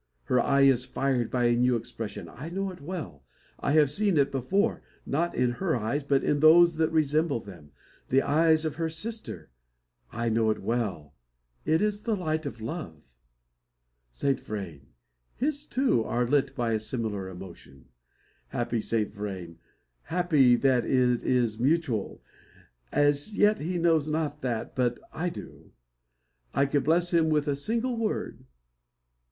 Her eye is fired by a new expression. I know it well. I have seen it before; not in her eyes, but in those that resemble them: the eyes of her sister. I know it well. It is the light of love! Saint Vrain! His, too, are lit by a similar emotion! Happy Saint Vrain! Happy that it is mutual. As yet he knows not that, but I do. I could bless him with a single word.